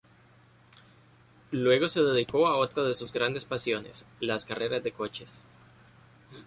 Luego se dedicó a otra de sus grandes pasiones: las carreras de coches.